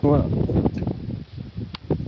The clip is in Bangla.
হ্যাঁ, অনেকটা বৈজ্ঞানিক ল্যাবের মত।